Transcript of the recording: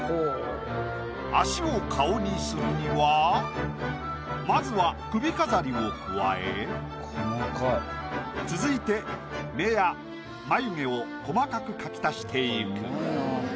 足を顔にするにはまずは首飾りを加え続いて目や眉毛を細かく描き足していく。